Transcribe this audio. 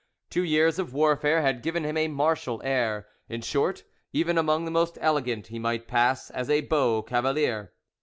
Two years of warfare had given him a martial air; in short, even among the most elegant, he might pass as a beau cavalier.